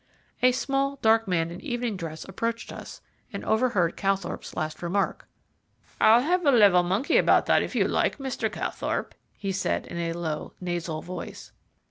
A small, dark, man in evening dress approached us and overheard Calthorpe's last remark. "I'll have a level monkey about that, if you like, Mr. Calthorpe," he said, in a low, nasal voice.